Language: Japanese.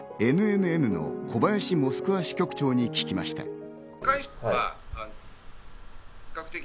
ＮＮＮの小林モスクワ支局長に聞きました。